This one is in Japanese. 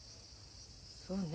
そうね。